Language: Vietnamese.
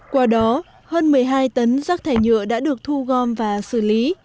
qua đó hơn một mươi hai tấn rác thải nhựa đã được thu gom và xử lý